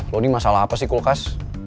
lo ini masalah apa sih kulkas